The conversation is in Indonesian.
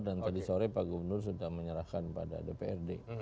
dan tadi sore pak gubernur sudah menyerahkan pada dprd